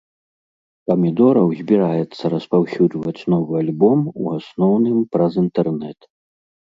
Памідораў збіраецца распаўсюджваць новы альбом у асноўным праз інтэрнэт.